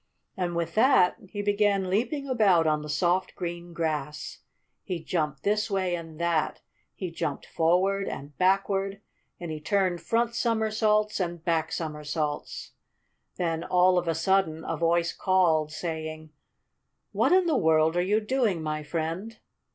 And with that he began leaping about on the soft, green grass. He jumped this way and that. He jumped forward and backward and he turned front somersaults and backward somersaults. Then, all of a sudden, a voice called, saying: "What in the world are you doing, my friend?"